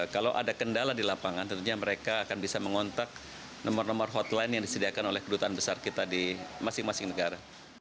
kalau ada kendala di lapangan tentunya mereka akan bisa mengontak nomor nomor hotline yang disediakan oleh kedutaan besar kita di masing masing negara